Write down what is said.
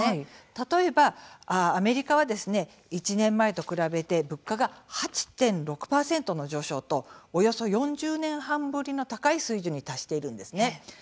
例えばアメリカは１年前と比べて物価が８．６％の上昇とおよそ４０年半ぶりの高い水準に達しているんです。